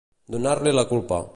Donar-li la culpa.